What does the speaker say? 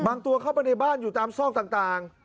ตัวเข้าไปในบ้านอยู่ตามซอกต่าง